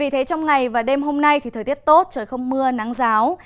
thế trong ngày và đêm hôm nay thì thời tiết tốt trời không mưa nắng ráo